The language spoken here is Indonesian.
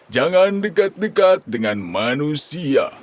jangan dekat dekat dengan manusia